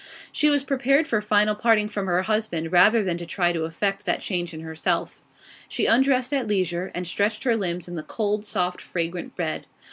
She was prepared for final parting from her husband rather than try to effect that change in herself. She undressed at leisure, and stretched her limbs in the cold, soft, fragrant bed.